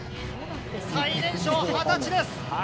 最年少、二十歳です。